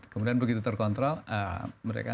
kemudian begitu terkontrol mereka